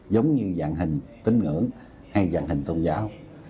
giống như dạng hình tính ngưỡng hay dạng hình tôn giáo